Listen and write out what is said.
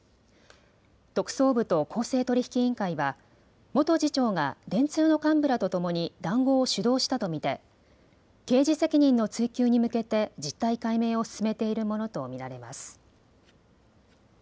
特捜部と公正取引委員会は元次長が電通の幹部らとともに談合を主導したと見て刑事責任の追及に向けて実態解明を進めているものと見られます。